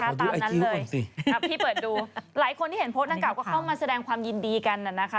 ตามนั้นเลยสิพี่เปิดดูหลายคนที่เห็นโพสต์ดังกล่าก็เข้ามาแสดงความยินดีกันน่ะนะคะ